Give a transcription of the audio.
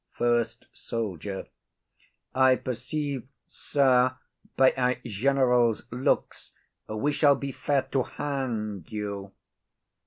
FIRST SOLDIER. I perceive, sir, by our general's looks we shall be fain to hang you.